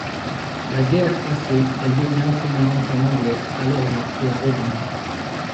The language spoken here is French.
La guerre passée, elle devient enseignante en anglais à Lorient et Redon.